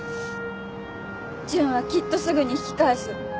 純はきっとすぐに引き返す。